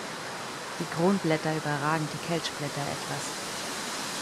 Die Kronblätter überragen die Kelchblätter etwas.